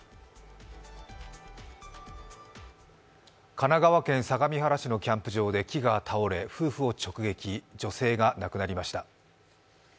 神奈川県相模原市のキャンプ場で木が倒れ夫婦を直撃、女性が亡くなりました。